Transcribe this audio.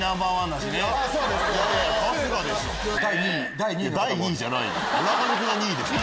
第２位じゃないよ！